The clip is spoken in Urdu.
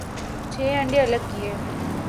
چھ انڈے الگ کئے ۔